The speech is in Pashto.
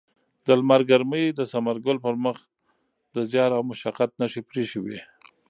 د لمر ګرمۍ د ثمرګل پر مخ د زیار او مشقت نښې پرېښې وې.